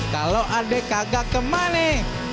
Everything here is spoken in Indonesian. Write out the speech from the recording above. kalo adek kagak kemana